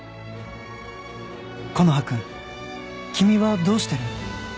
木の葉君君はどうしてる？